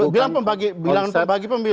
bilangan pembagi pemilu